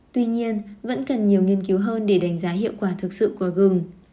tuy nhiên vẫn cần nhiều nghiên cứu hơn để đánh giá hiệu quả thực sự của gừng